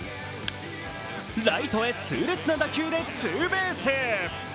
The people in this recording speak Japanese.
ライトへ痛烈な打球でツーベース。